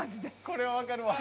これはわかるわ。